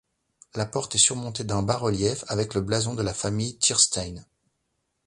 La porte est surmontée d'un bas relief avec le blason de la famille Thierstein.